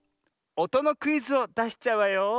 おとのクイズをだしちゃうわよ。